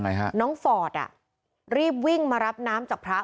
เมื่อวานแบงค์อยู่ไหนเมื่อวาน